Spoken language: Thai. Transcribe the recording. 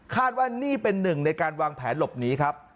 ว่านี่เป็นหนึ่งในการวางแผนหลบหนีครับ